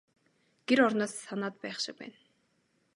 Гэр орноо санаад байх шиг байна.